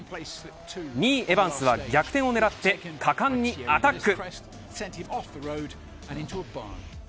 ２位エバンスは逆転を狙って果敢にアタック。